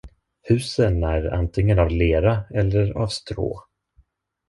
Husen är antingen av lera eller av strå.